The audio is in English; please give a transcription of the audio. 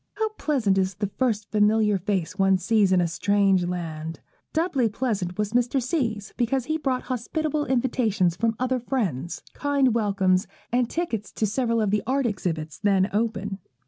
How pleasant is the first familiar face one sees in a strange land! Doubly pleasant was Mr. C.'s, because he brought hospitable invitations from other friends, kind welcomes, and tickets to several of the art exhibitions then open.